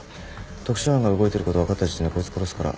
特殊班が動いてること分かった時点でこいつ殺すから」